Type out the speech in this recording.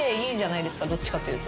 どっちかというと。